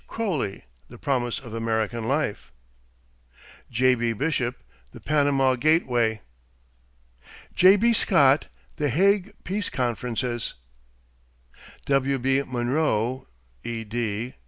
Croly, The Promise of American Life. J.B. Bishop, The Panama Gateway. J.B. Scott, The Hague Peace Conferences. W.B. Munro (ed.)